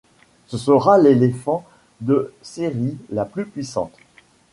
Ce sera l'Elefant de série la plus puissante.